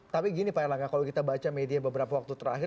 tapi gini pak erlangga kalau kita baca media beberapa waktu terakhir